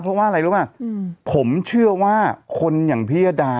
เพราะว่าอะไรรู้ป่ะผมเชื่อว่าคนอย่างพี่ยดา